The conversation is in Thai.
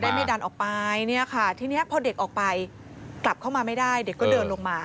ไม่ดันออกไปเนี่ยค่ะทีนี้พอเด็กออกไปกลับเข้ามาไม่ได้เด็กก็เดินลงมา